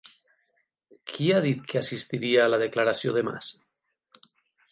Qui ha dit que assistiria a la declaració de Mas?